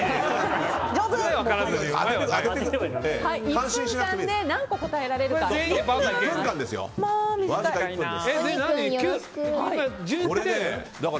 １分間で何個答えられるか。